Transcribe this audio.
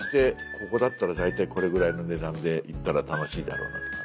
ここだったら大体これぐらいの値段で行ったら楽しいだろうなとかね。